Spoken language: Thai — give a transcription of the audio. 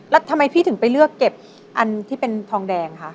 แล้วทำไมพี่ถึงไปเลือกเก็บอันที่เป็นทองแดงคะ